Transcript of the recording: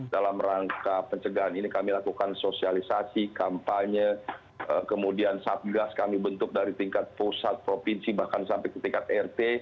dalam rangka pencegahan ini kami lakukan sosialisasi kampanye kemudian satgas kami bentuk dari tingkat pusat provinsi bahkan sampai ke tingkat rt